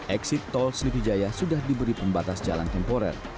eksit tol seliti jaya sudah diberi pembatas jalan temporer